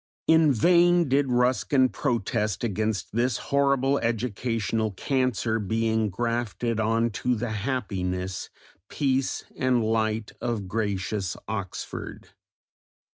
In vain did Ruskin protest against this horrible educational cancer being grafted on to the happiness, peace, and light of gracious Oxford.